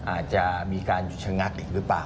อาจจะมีการหยุดชะงักอีกหรือเปล่า